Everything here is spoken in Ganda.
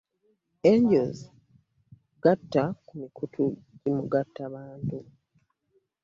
Angels ngatta ku mikutu jimugatta bantu.